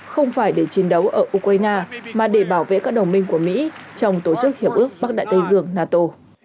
không phải để chiến đấu ở ukraine mà để bảo vệ các đồng minh của mỹ trong tổ chức hiệp ước bắc đại tây dương nato